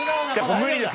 無理です。